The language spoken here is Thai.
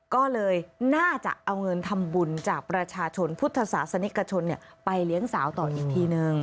ก็เลยน่าจะเอาเงินทำบุญจากประชาชนพุทธศาสนิกชนไปเลี้ยงสาวต่ออีกทีนึง